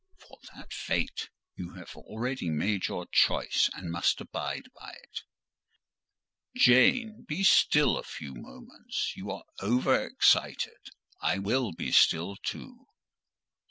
"For that fate you have already made your choice, and must abide by it." "Jane, be still a few moments: you are over excited: I will be still too."